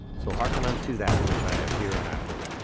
So hearken unto that which I have hereinafter written.